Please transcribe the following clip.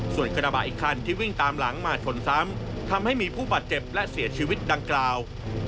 ส่วนกระบะอีกคันที่วิ่งตามหลังมาชนซ้ำทำให้มีผู้บาดเจ็บและเสียชีวิตดังกล่าว